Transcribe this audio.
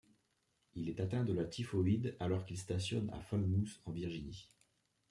Il est atteint de la typhoïde alors qu'il stationne à Falmouth en Virginie.